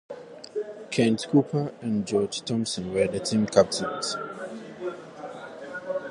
Kent Cooper and George Thompson were the team captains.